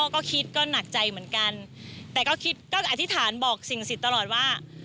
ก็คิดก็หนักใจเหมือนกันแต่ก็คิดก็อธิษฐานบอกสิ่งสิทธิ์ตลอดว่า